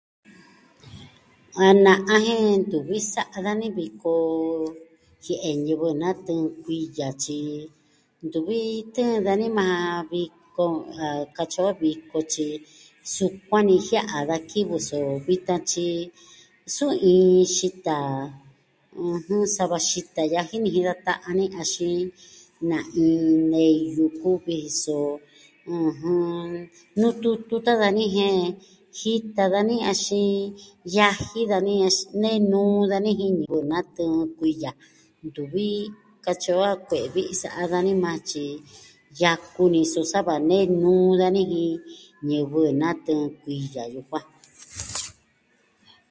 A na'a jen ntuvi sa'a dani viko jie'e ñivɨ natɨɨn kuiya, tyi ntuvi tɨɨn dani majan viko, a katyi o viko, tyi sukuan nijia'a da kivɨ so vita tyi suu iin xita, ɨjɨn sa va xita yaji ni jin da ta'an ni, axin na iin neyu kuvi so, ɨjɨn, nututu tan dani jen jita dani, axin yaji dani nee nuu dani jin ñivɨ natɨɨn kuiya, ntuvi katyi o a kue'e vi'i sa'a dani majan tyi yaku ni so sa va nee nuu dani jin ñivɨ natɨɨn kuiya yukuan.